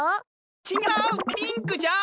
ちがうピンクじゃ！